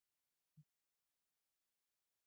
هغې خپلې سترګې د اشرف خان په سترګو کې ښخې کړې.